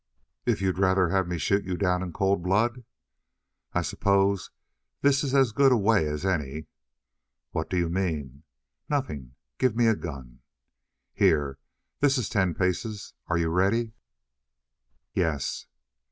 "If you'd rather have me shoot you down in cold blood?" "I suppose this is as good a way as any." "What do you mean?" "Nothing. Give me a gun." "Here. This is ten paces. Are you ready?" "Yes."